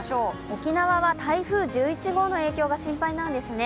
沖縄は台風１１号の影響が心配なんですね。